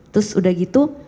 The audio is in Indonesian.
terus udah gitu